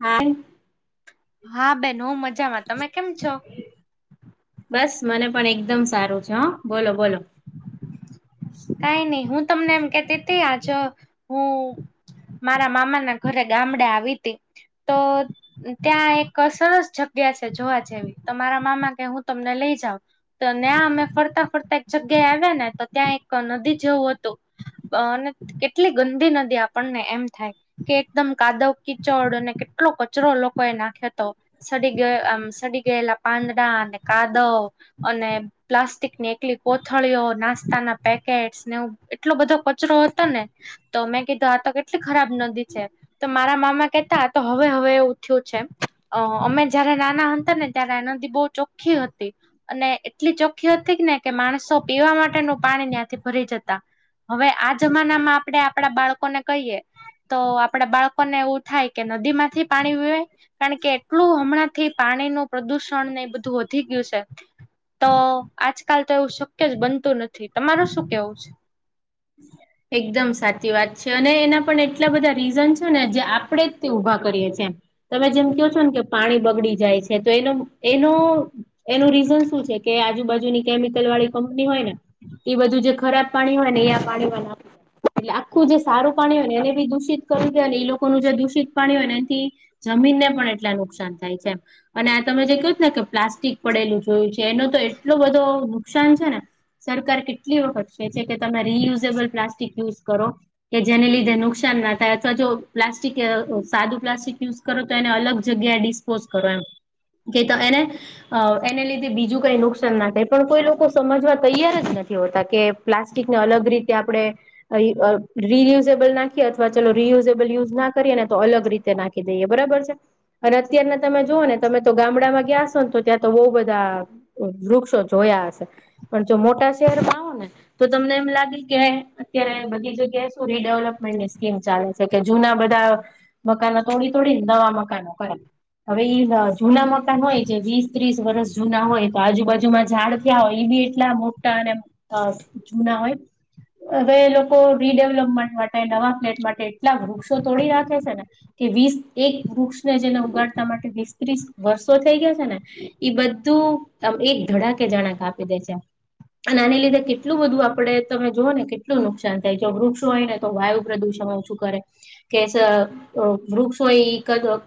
હા! હા બેન હો મજામાં તમે કેમ છો? બસ મને પણ એકદમ સારું છે હા બોલો બોલો? કઈ નહી હું તમને એમ કેતી તે આજ હું મારા મામા ના ઘરે ગામડે આવી તી તો ત્યાં એક સરસ જગ્યા છે જોવા જેવી તો મારા મામા કે હું તમને લઈ જાઉ. તો ત્યાં અમે ફરતા ફરતા એક જગ્યાએ આવ્યા ને તો ત્યાં એક નદી જેવું હતું. અ અને કેટલી ગંદી નદી આપણને એમ થાય કે એકદમ કાદવ કિચડ અને કેટલો કચરો લોકો એ નાખ્યો હતો. સડી ગયૈ સડી ગયેલા પાંદડા અને કાદવ અને પ્લાસ્ટિકની એકલી કોથળીઓ નાસ્તાના પેકેટસ ને એ એટલો બધો કચરો હતો ને? તો મેં કીધું આ તો કેટલી ખરાબ નદી છે તો મારા મામા કેતા આ તો હવે હવે એ ઉ થું છે અમે જયારે નાના હતા ને ત્યારે આનંદી બહુ ચોખ્ખી હતી અને એટલી ચોખ્ખી હતી કે ને કે માણસો પીવા માટેનું પાણી ત્યાંથી ભરી જતા હવે આ જમાના માં આપણે આપણા બાળકોને કહીએ તો આપડા બાળકોને એવું થાય કે નદી માંથી પાણી પીવે કારણ કે, એટલું હમણાંથી પાણી નું પ્રદુષણ ને એ બધું વધી ગયું છે. તો આજકાલ તો એવું શક્ય જ બનતું નથી, તમાર શું કેવું છે.? એકદમ સાચી વાત છે. અને એના પણ એટલા બધા રીઝન છે ને જે આપણેે જ તે ઊભા કરીએ છી એમ. તમે જેમ કહો છો ને કે પાણી બગડી જાય છે તો એનો એનો એનું રીઝન શું છે કે આજુબાજુની, કેમિકલ વાળી કંપની હોય ને એ બધું જે ખરાબ પાણી હોય ને એયા પાણીમાં ના એટલે આખું જે સારું પાણી હોય ને એને બી દૂષિત કરવ જો ને એ લોકોનું જે દૂષિત પાણી હોય ને એથી જમીનને પણ એટલા નુકસાન થાય છે એમ અને આ તમે જે કહ છે ને કે પ્લાસ્ટિક પડેલું જોયું છે. એનો તો એટલો બધો નુકસાન છે ને સરકાર કેટલી વખત છે છે કે તમે રિયુઝેબલ પ્લાસ્ટિક યુઝ કરો કે જેને લીધે નુકસાન ના થાય અથવા જો પ્લાસ્ટિક સાદું પ્લાસ્ટિક યુઝ કરો તો એને અલગ જગ્યાએ ડિસ્પોઝ કરો એમ કે તો એને અ એને લીધે બીજું કઈ નુકસાન ના થાય પણ કોઈ લોકો સમજવા તૈયાર જ નથી હોતા કે પ્લાસ્ટિકને અલગ રીતે આપણે રિયુઝેબલ નાખીએ અથવા ચલો રિયુઝેબલ યુઝ ના કરીએ ને તો અલગ રીતે નાખીએ કી દઈએ બરાબર છે. અને અત્યારને તમે જુઓ ને તમે તો ગામડામાં ગયાશો ને તો ત્યાં તો બહુ બધા. વૃક્ષો જોયા હશે પણ જો મોટા શહેરમાં આવ ને.? તો તમને એમ લાગે કે. અત્યારે બધી જગ્યાએ શું રીડેવલપમેન્ટની સ્કીમ ચાલે છે કે જૂના બધા મકાનો તોડી તોડીને નવા મકાનો કરે. હવે એ જૂના મકાન હોય જે વીસ ત્રીસ વર્ષ જૂના હોય તો આજુબાજુમાં ઝાડ ક્યા હોય એ બી એટલા મોટા અને જૂના હોય. હવે એ લોકો રીડેવલપમેન્ટ માટે નવા ફ્લેટ માટે એટલા વૃક્ષો તોડી નાખે છે ને. કે વીસ એક વૃક્ષને જેને ઉગાડતા માટે વીસ ત્રીસ વર્ષો થઈ ગયા છે ને. ઈ બધું એક ધડાકે જણાક આપી દે છે. અને આને લીધે કેટલું બધું આપડે તમે જોઓ ને કે. કેટલું નુકસાન થાય જો વૃક્ષો હોય ને તો વાયુ પ્રદુષણ ઓછું કરે. કે વૃક્ષો એ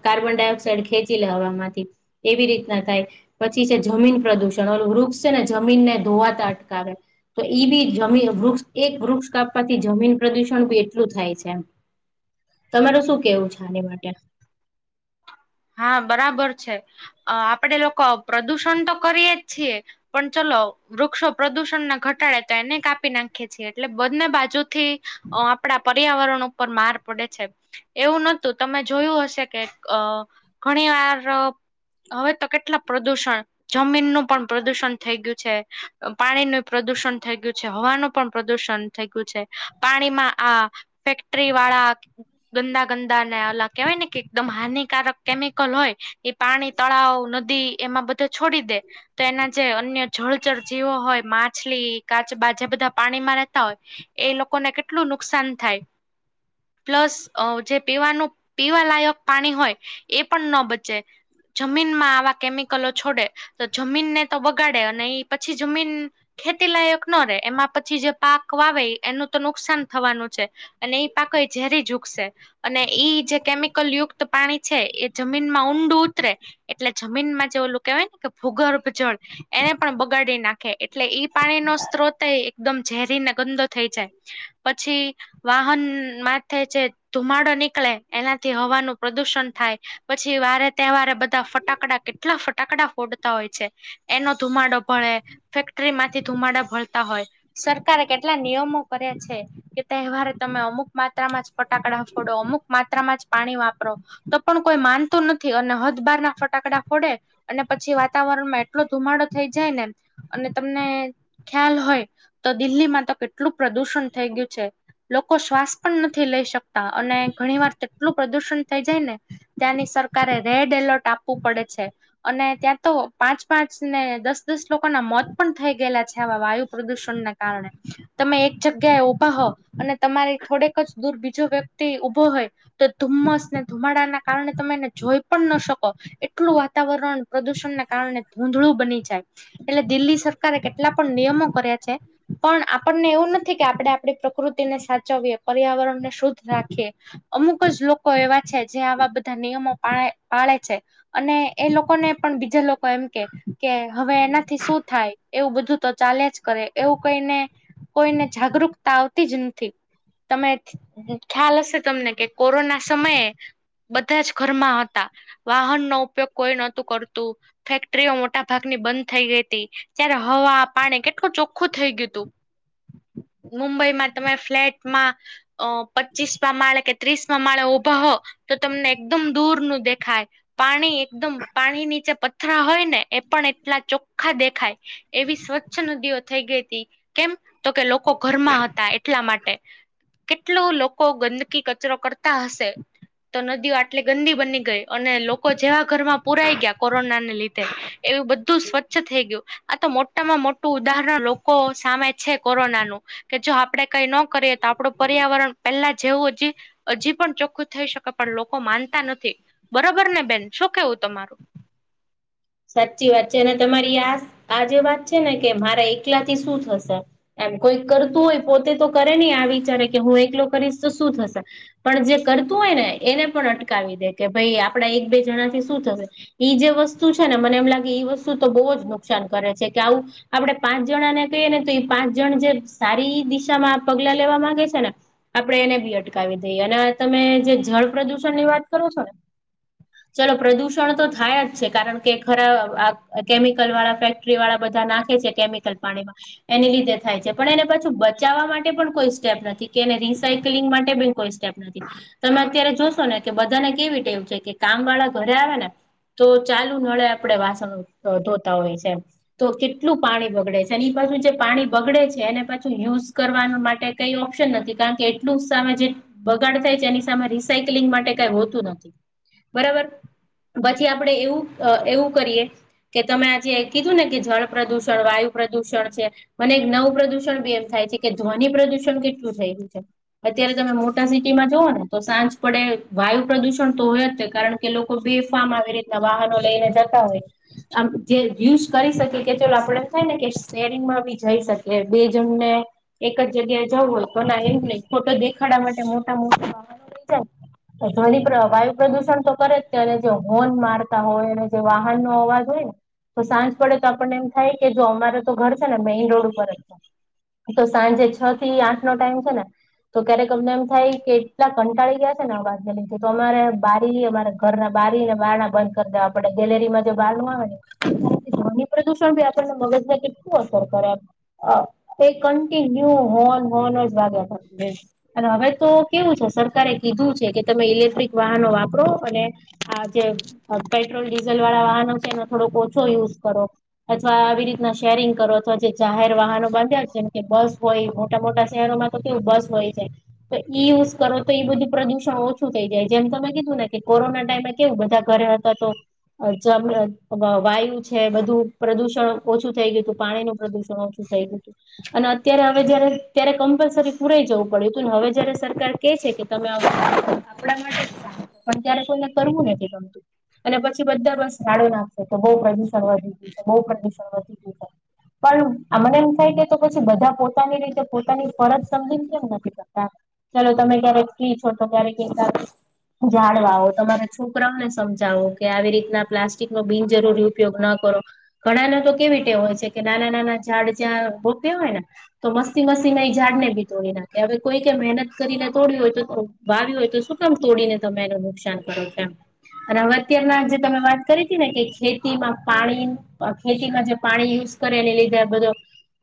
કાર્બન ડાયોક્સાઇડ ખેંચી લે હ માંથી. એવી રીતના થાય. પછી છે જમીન પ્રદૂષણ ઓલું વૃક્ષ છે ને જમીનને ધોવાતા અટકાવે. તો ઈ ભી જમી વૃક્ષ. એક વૃક્ષ કાપવાથી જમીન પ્રદુષણ બી એટલું થાય છે એમ. તમાર શું કેવું છે આની માટે? હા બરાબર છે આપડે લોકો પ્રદુષણ તો કરીએ જ છીએ. પણ ચલો. વૃક્ષો પ્રદુષણ ના ઘટાડે તો એને કાપી નાખીે છીએ એટલે બધને બાજુથી. આપડા પર્યાવરણ ઉપર માર પડે છે એવું નોતું તમે જોયું હશે કે. ઘણી વાર હવે તો કેટલા પ્રદુષણ. જમીનનુંું પણ પ્રદુષણ થઈ ગયું છે પાણી ન પ્રદુષણ થઈ ગયું છે હવાનું પણ પ્રદુષણ. થઈ ગયું છે પાણી માં આ ફેક્ટરી વાળા. ગંદા ગંદા ને ઓલા કહેવાય ને કે એકદમ હાનિકારક. કેમિકલ હોય એ પાણી તળાવ નદી એમાં બધે છોડી દે. તો એના જે અન્ય જળ જર જીવો હોય માછલી કાચબા જે બધા પાણીમાં રહેતા હોય. એ લોકોને કેટલું નુકસાન થાય. પ્લસ જે પીવાનું પીવાલાયક પાણી હોય એ પણ ન બચે. જમીનમાં આવા કેમિકલો છોડે તો જમીનને તો વગાડે અને એ પછી જમીન. ખેતી લાયક ન રે એમાં પછી જે પાક વાવે એનું તો નુકસાન થવાનું છે. અને એ પાકો એ ઝેરી ઝુકશે અને ઈ જે કેમિકલ યુક્ત પાણી. છે એ જમીનમાં ઊંડું ઉતરે. એટલે જમીન માં જે ઓલું કેહેવાય ને કે, ભૂગર્ભ જળ એને પણ બગાડી નાખે. એટલે ઈ પાણી નો સ્ત્રોત એ એકદમ ઝેરીને ગંદો થઈ જાય, પછી- વાહન માથી જે ધુમાડો નીકળે, એનાથી હવાનું પ્રદુષણ- થાય પછી વારે તહે વારે બધા ફટાકડા કેટલા ફટાકડા ફોડતા હોય છે. એનો ધુમાડો ભળે ફેક્ટરી માંથી ધુમાડા ભળતા હોય. સરકારે કેટલા નિયમો કર્યા છે. કે તહેવારે તમે અમુક માત્રામાં જ ફટાકડા ફોડો અમુક માત્રામાં જ પાણી વાપરો. તો પણ કોઈ માનતું નથી અને હદ બાર ના ફટાકડા ફોડે અને પછી વાતાવરણમાં એટલો ધુમાડો થઈ જાય ને અને તમને. ખ્યાલ હોય તો દિલ્હી માં તો કેટલું પ્રદુષણ થઈ ગયું છે. લોકો શ્વાસ પણ નથી લઈ શકતા. અને ઘણી વાર તેટલું પ્રદુષણ થઈ જાય ને ત્યાંની સરકારે રેડ એલર્ટ. ટાપવું પડે છે અને ત્યાં તો પાંચ પાંચ ને દસ. દસ લોકોના મોત પણ થઈ ગયેલા છે આવા વાયુ પ્રદૂષણ ના કારણે. તમે એક જગ્યાએ ઉભા હો અને તમારી થોડેક જ દૂર બીજો વ્યક્તિ ઉઊભો હોય. તો ધુમ્મસ ને ધુમાડા ના કારણે તમે એને જોઈ. પણ ન શકો એટલું વાતાવરણ પ્રદુષણને કારણે ધૂંધળુ બની જાય. એટલે દિલ્હી સરકારે કેટલા પણ નિયમો કર્યા છે, પણ આપણને એવું નથી કે આપડે આપડે- પ્રકૃતિને સાચવીએ પર્યાવરણ ને શુદ્ધ રાખીએ, અમુક જ લોકો એવા છે જે આવા બધા નિયમો પાળે છે અને એ લોકોને પણ બીજા લોકો- એમ કે કે હવે એનાથી શું થાય. એવું બધું તો ચાલ્યા જ કરે, એવું કઈને કોઈને જાગૃકતા આવતી જ નથી. તમે ખ્યાલ હશે તમને કે, કોરોના સમયે બધા જ ઘરમાં હતા. વાહન નો ઉપયોગ કોઈ નહોતું કરતું. ફેક્ટરીઓ મોટા ભાગની બંધ થઈ ગઈ હતી, ત્યારે હવા પાણી કેટલું ચોખ્ખું થઈ ગયું હતું. મુંબઈમાં તમે ફ્લેટમાં- અ પચીસ માં માળે કે ત્રીસ માં માળે ઊભા હો તો, તમને એકદમ દૂર નું દેખાય. પાણી એકદમ પાણીની જે પથરા હોય ને, એ પણ એટલા ચોખ્ખા દેખાય. એવી સ્વચ્છ નદીઓ થઈ ગઈ હતી. કેમ! તો કે લોકો ઘરમાં હતા એટલા માટે. કેટલું લોકો ગંદકી, કચરો કરતા હશે. તો નદીઓ આટલી ગંદી બની ગઈ અને લોકો જેવા ઘરમાં પુરાઈ ગયા કોરોનાને લીધે- એવું બધું સ્વચ્છ થઈ ગયું. આ તો મોટામાં મોટું ઉદાહરણ લોકો સામે- છે કોરોના નું કે, જો આપડે કઈ ન કરીએ તો, આપડું પર્યાવરણ પેલા જેવું જ હજી પણ ચોખ્ખું થઈ શકે પણ લોકો માનતા નથી, બરોબર ને બેન શું કેવું તમારું? સાચી વાત છે અને તમારી આ આ જે વાત છે ને, કે મારા એકલા થી શું થશે? એમ કોઈ કરતું હોય પોતે તો કરે નહી. આ વિચારે કે હું એકલો કરીશ તો શું થશે! પણ જે કરતું હોય ને એને પણ અટકાવી દે, કે ભાઈ આપણા એક બે જણા થી શું થશે. ઈ જે વસ્તુ છે ને મને એમ લાગે ઈ વસ્તુ તો બહુ જ નુકસાન કરે છે, કે આવું- આપડે પાંચ જણા ને કહીએ ને તો એ પાંચ જણ જે સારી દિશામાં પગલા લેવા માંગે છે ને, આપડે એને બી અટકાવી દઈએ. અને તમે જે જળ પ્રદૂષણ ની વાત કરો છો ને- ચાલો પ્રદૂષણ તો થાય જ છે. કારણ કે, ખરા કેમિકલ વાળા ફેક્ટરી વાળા બધા નાખે છે કેમિકલ પાણીમાં- એની લીધે થાય છે પણ એને પાછું બચાવવા માટે પણ કોઈ સ્ટેપ નથી, કે એને રિસાયકલિંગ માટે ભી કોઈ છે. કે આપણા તમે અત્યારે જોશો ને કે બધાને કેવી ટેવ છે, કે કામ વાળા ઘરે આવે ને, તો ચાલુ નળે આપડે વાસણો ધોતા હોય છે. તો કેટલું પાણી બગડે છે. અને ઈ પાછું જે પાણી બગડે છે એને પાછું યુઝ કરવાના માટે- કઈ ઓપ્શન નથી, કારણ કે એટલું સામે જે- બગાડ થાય છે એની સામે રિસાયક્લિંગ માટે કઈ હોતું નથી. બરાબર, પછી આપડે એવું એવું કરીએ- કે તમે આજે કીધું ને કે, જળ પ્રદૂષણ વાયુ પ્રદુષણ છે. મને એક નવું પ્રદુષણ બી એમ થાય છે, કે ધ્વનિ પ્રદુષણ કેટલું થઈ રહું છે- અત્યારે તમે મોટા સિટીમાં જઓ ને તો સાંજ પડે વાયુ પ્રદુષણ તો હોય જ કારણ. કે લોકો બેફામ આવી રીતના વાહનો લઈને જતા હોય. આમ જે યુઝ કરી શકી કે ચલો આપડે થાય ને, કે શેરિંગમાં બી જઈ શકીએ. બે જણને એક જ જગ્યા જવું હોય તો એમને ફોટો દેખાડાવા માટે મોટા મોટા વાહન લઈ જાય થોડી ત વાયુ પ્રદુષણ તો કરે જ ત્યારે, જો હોન માર હોય અને જે વાહન નો અવાજ હોય ને તો સાંજ પડે તો આપણને એમ થાય, કે જો અમારે તો ઘર છે ને મેઈન રોડ ઉપર જ છે. તો સાંજે છ થી આઠ નો ટાઈમ છે ને, તો ક્યારેક અમને એમ થાય કે એટલા કંટાળી ગયા છે ને અવાજને લીધે, તો અમારે બારી અમારે- ઘરના બારીને બારણા બંધ કરી દેવા પડે ગેલેરીમાં જો બારણું આવે ને, ધ્વનિ પ્રદુષણ ભી આપણને મગજને કેટલું અસર કરે. તે કન્ટિન્યુ હોન હોન. અને હવે તો કેવું છે સરકારે કીધું છે કે તમે ઇલેક્ટ્રિક વાહનો વાપરો અને આ જે પેટ્રોલ ડીઝલ વાળા વાહનો છે એને થોડોક ઓછો યુઝ કરો. અથવા આવી રીતના શેરિંગ કરો અથવા જે જાહેર વાહનો બાંધ્યા છેમ કે બસ હોય મોટા મોટા શહેરોમાં. થી ઉ બસ હોય જાય. તો ઈ યુઝ કરો તો એ બધું પ્રદુષણ ઓછું થઈ જાય જેમ તમે કીધું ને કે કોરોના ટાઈમે કેવું બધા કરે ત તો. જમ વાયુ છે બધું પ્રદુષણ ઓછું થઈ ગયું હતું પાણી નું પ્રદુષણ ઓછું. થયેલું અને અત્યારે હવે જયારે ત્યારે કમ્પલસરી પુરાઈ જવું પડ્યું હતું. ને હવે જયારે સરકાર... કે છે કે તમે આપણા માટે જ સારું પણ ત્યારે કોઈને કરવું નથી ગમતું. અને પછી બધા વસ જાાડું નાખશે તો બહુ પ્રદુષણ વધી ગયું છે બહુ પ્રદુષણ વધી ગયું છે. પણ મને એમ થાય કે તો પછી બધા પોતાની રીતે પોતાની ફરજ સમજી ને કેમ નથી ચલો તમે ક્યારેક કી છો તો ક્યારેક એ જાળવાઓ તમારા છોકરાઓને સમજાવો કે આવી રીતના પ્લાસ્ટિક નો બિનજરૂરી ઉપયોગ ન કરો. ઘણા ને તો કેવી ટેવ હોય છે. કે, નાના-નાના ઝાડ જ્યાં રોપ્યા હોય ને.. તો મસ્તી મસ્તી માં એ ઝાડ ને ભી તોડી નાખે. હવે કોઈકે મહેનત કરીને તોડ્યું હોય તો... વાાવ્યું હોય તો શું કામ તોડીને તમે એને નુકસાન કરો છો? એમ. હવે અત્યારના જે તમે વાત કરી હતી ને કે ખેતીમાં પાણી ખેતીમાં જે પાણી યુઝ... કરેને લીધે. બધો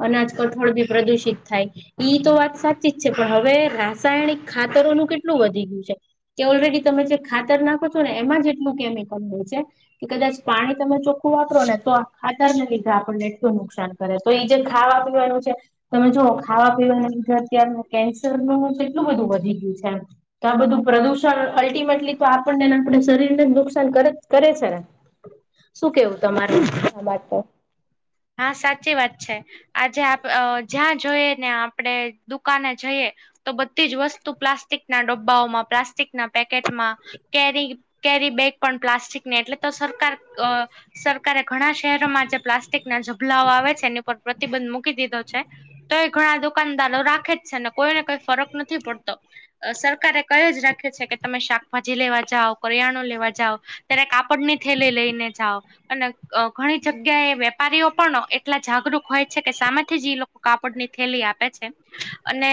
અનાજ કઠોળ ભી પ્રદુષિત થાય. ઈ તો વાત સાચી જ છે, પણ હવે રાસાયણિક ખાતરોનું કેટલું વધી ગયું છે. તે ઓલરેડી તમે જે ખાતર નાખો છો, ને એમાં જેટલું કેમિકલ હોય છે. કે કદાચ પાણી તમે ચોખ્ખું વાપરો ને તો, આ ખાતર ને લીધે આપણને એટલું નુકસાન થાય. અરે! ભાઈ જે ખાવા પીવાનું છે. તમે જુઓ ખાવા પીવાની અંદર અત્યારે કેન્સરનું કેટલું બધું વધી ગયું છે. એમ, તો આ બધું પ્રદુષણ અલ્ટિમેટલી તો આપણને... આપણા શરીરને જ નુકસાન કરે છે ને, શું કેવું તમારું આ વાત પર? હા, સાચી વાત છે. આજે આપ જ્યાં જોઈએ ને આપણે દુકાને જઈએ. તો બધી જ વસ્તુ પ્લાસ્ટિક ના ડબ્બાઓમાં પ્લાસ્ટિકના... પેકેટમાં કેરી કેરી બેગ પણ પ્લાસ્ટિકની એટલે, તો સરકાર... સરકારે ઘણા શહેરોમાં જે પ્લાસ્ટિક ના ઝભલાઓ આવે છે. એની પર પ્રતિબંધ મૂકી દીધો છે. તો એ ઘણા દુકાનદારો રાખે જ છે, ને કોઈને કઈ ફરક નથી પડતો. સરકારે કંઈ જ રાખ્યું છે. કે તમે શાકભાજી લેવા જાવ, કરિયાણુ લેવા જાવ, ત્યારે કાપડ ની થેલી લઈને જાઓ. અને ઘણી જગ્યા એ વેપારીઓ પણ એટલા જાગૃત હોય છે, કે સામેથી જ ઈ લોકો કાપડ ની થેલી આપે છે. અને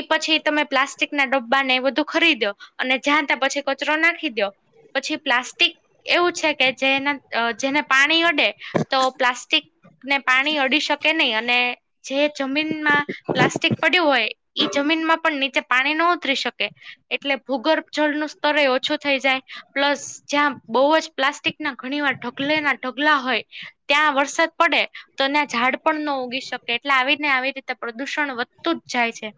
એ પછી તમે પ્લાસ્ટિક ના ડબ્બાને એ બધું ખરીદ્યો. અને જ્યા ત્યાં પછી કચરો નાખી દયો. પછી પ્લાસ્ટિક એવું છે, કે જેના અ જેને પાણી અડે તો પ્લાસ્ટિકને પાણી અડી શકે નહી. અને જે જમીનમાં પ્લાસ્ટિક પડ્યું હોય, એ જમીનમાં પણ નીચે પાણી ન ઉતરી શકે. એટલે ભૂગર્ભ જળનું સ્તર એ ઓછું થઈ જાય. પ્લસ, જ્યાં બહુ જ પ્લાસ્ટિક ના ઘણી વાર ઢગલે ના ઢગલા હોય. ત્યાં વરસાદ પડે તો ત્યાં ઝાડ પણ ન ઉગી શકે. એટલે આવી ને આવી રીતે પ્રદૂષણ વધતું જ જાય છે.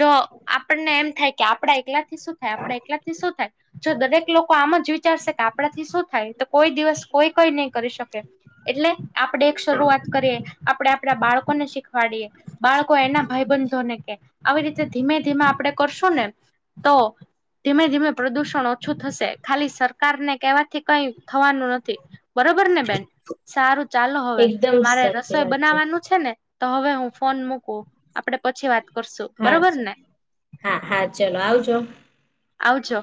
જો, આપણને એમ થાય કે આપડા એકલા થી શું થાય? આપણા એકલાથી શું થાય? જો દરેક લોકો આમ જ વિચારશે કે, આપણાથી શું થાય? તો કોઈ દિવસ કોઈ કંઈ નહી કરી શકે. એટલે જ આપણેે એક શરૂઆત કરીએ. આપડે આપડા બાળકો ને શીખવાડીએ. બાળકો એના ભાઈબંધોને કે, આવી રીતે ધીમે ધીમે આપણે કરશું ને તો ધીમે-ધીમે પ્રદુષણ ઓછું થશે. ખાલી સરકાર ને કેવાથી કંઈ થવાનું નથી. બરોબર ને બેન. સારું. ચાલો હવે એકદમ મારે સાચી રસોઈ વાત બનાવાનું છે, ને તો હવે હું ફોન મૂકું. આપડે પછી વાત... કરશું હા બરોબર ને હા. હા, ચલો આવજો. આવજો.